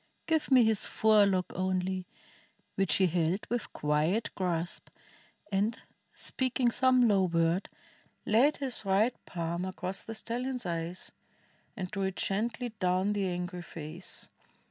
Give me his forelock only," which he held With quiet grasp, and, speaking some low word, Laid his right palm across the stallion's eyes. And drew it gently down the angry face.